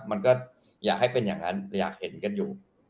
มันก็อยากให้เป็นอย่างนั้นอยากเห็นกันอยู่